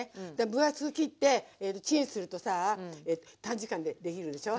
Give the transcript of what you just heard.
分厚く切ってえっとチンするとさあ短時間でできるでしょ。